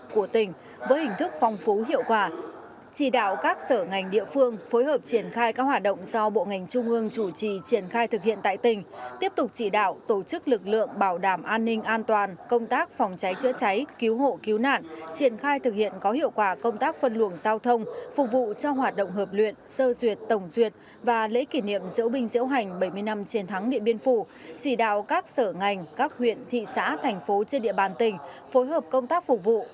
chỉ đạo các sở ngành địa phương phối hợp triển khai các hoạt động do bộ ngành trung ương chủ trì triển khai thực hiện tại tỉnh tiếp tục chỉ đạo tổ chức lực lượng bảo đảm an ninh an toàn công tác phòng cháy chữa cháy cứu hộ cứu nạn triển khai thực hiện có hiệu quả công tác phân luồng giao thông phục vụ cho hoạt động hợp luyện sơ duyệt tổng duyệt và lễ kỷ niệm diễu binh diễu hành bảy mươi năm chiến thắng địa biên phủ chỉ đạo các sở ngành các huyện thị xã thành phố trên địa bàn tỉnh phối hợp công tác phục vụ